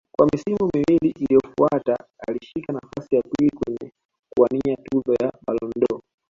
Kwa misimu miwili iliyofuata alishika nafasi ya pili kwenye kuwania tuzo za Ballon dâOr